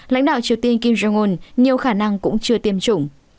lãnh đạo triều tiên kim jong un nhiều khả năng cũng chưa tiêm chủng